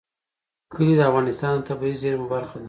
کلي د افغانستان د طبیعي زیرمو برخه ده.